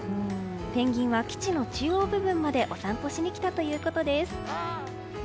ペンギンは基地の中央部分までお散歩しに来たということです。